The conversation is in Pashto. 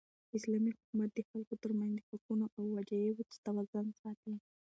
اسلامي حکومت د خلکو تر منځ د حقونو او وجایبو توازن ساتي.